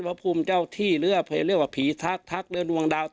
ว่าภูมิเจ้าที่เรียกว่าภีรทัพทัพหรือ